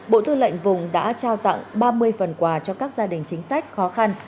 bộ tư lệnh vùng đã trao tặng ba mươi phần quà cho các gia đình chính sách khó khăn